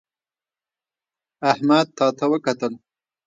احمد تا ته وکتل